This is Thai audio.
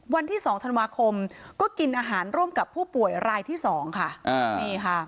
วันที่สองธันวาคมก็กินอาหารร่วมกับผู้ป่วยรายที่สองค่ะอ่านี่ค่ะ